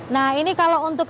nah ini kalau untuk